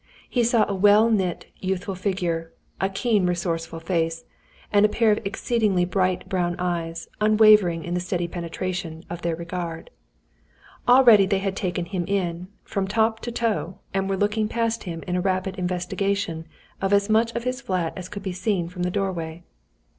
He saw a well knit, youthful figure, a keen resourceful face, and a pair of exceedingly bright brown eyes, unwavering in the steady penetration of their regard. Already they had taken him in, from top to toe, and were looking past him in a rapid investigation of as much of his flat as could be seen from the doorway.